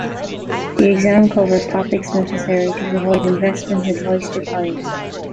The exam covers topics necessary to provide investment advice to clients.